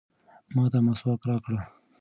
ما ته مسواک راکړه.